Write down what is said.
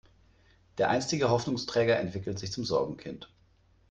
Der einstige Hoffnungsträger entwickelt sich zum Sorgenkind.